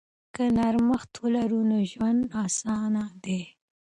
که نرمښت ولرو نو ژوند اسانه دی.